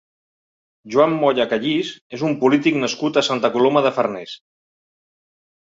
Joan Molla Callís és un polític nascut a Santa Coloma de Farners.